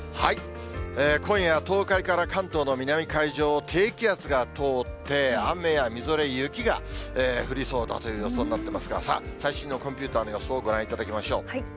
今夜、東海から関東の南海上を低気圧が通って、雨やみぞれ、雪が降りそうだという予想になってますが、最新のコンピューターの予想をご覧いただきましょう。